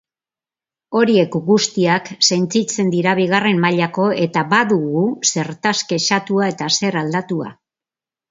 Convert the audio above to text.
Horiek guztiak sentitzen dira bigarren mailako eta badugu zertaz kexatua eta zer aldatua.